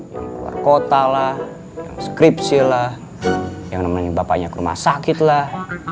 yang keluar kota lah skripsi lah yang namanya bapaknya ke rumah sakit lah